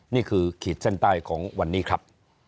นี่คือขีดเส้นใต้ของวันนี้ครับ